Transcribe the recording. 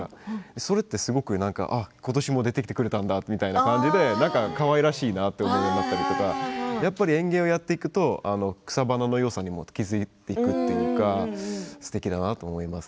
それってすごく今年も出てきてくれたんだみたいな感じでなんかかわいらしいなと思ったりとかやっぱり園芸をやっていくと草花のよさにも気付いていくというかすてきだなと思います。